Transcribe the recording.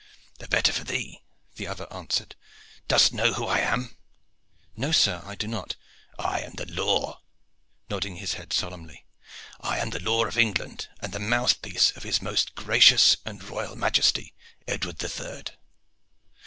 "The better for thee," the other answered. "Dost know who I am?" "No, sir, I do not." "I am the law!" nodding his head solemnly. "I am the law of England and the mouthpiece of his most gracious and royal majesty, Edward the Third."